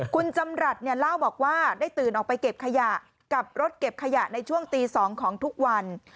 คุณจำรัฐเนี่ยเล่าบอกว่าได้ตื่นออกไปเก็บขยะกับรถเก็บขยะในช่วงตี๒ของทุกวัน